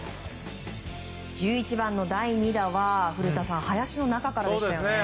１１番の第２打は林の中からでしたよね。